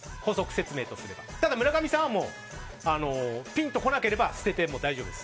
村上さんはピンと来なければ捨てても大丈夫です。